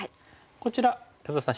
こちら安田さん